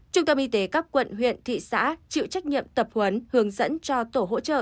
trung tâm y tế các quận huyện thị xã chịu trách nhiệm tập huấn hướng dẫn cho tổ hỗ trợ